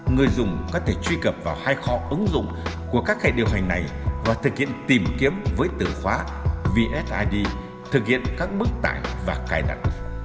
người dùng có thể truy cập vào hai kho ứng dụng của các hệ điều hành này và thực hiện tìm kiếm với từ khóa vssid thực hiện các bức tải và cài đặt